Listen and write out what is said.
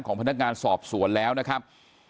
พนักงานสอบสวนแล้วนะครับ